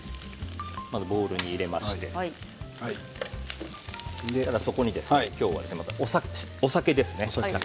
まずボウルに入れましてそこにですね、今日はお酒ですね。